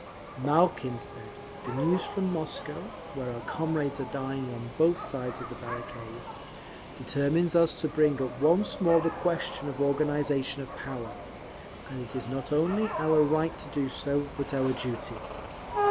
_ Malkin said, "The news from Moscow, where our comrades are dying on both sides of the barricades, determines us to bring up once more the question of organisation of power, and it is not only our right to do so, but our duty….